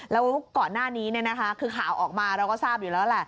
แล้วก่อนหน้านี้คือข่าวออกมาเราก็ทราบอยู่แล้วแหละ